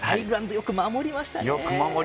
よく守りましたね。